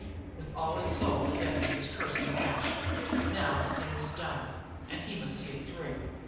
With all his soul the deputy was cursing Nash, but now the thing was done, and he must see it through.